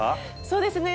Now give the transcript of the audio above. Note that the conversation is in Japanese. そうですね。